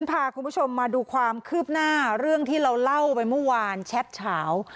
พาคุณผู้ชมมาดูความคืบหน้าเรื่องที่เราเล่าไปเมื่อวานแชทเฉา